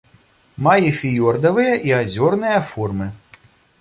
Мае фіёрдавыя і азёрныя формы.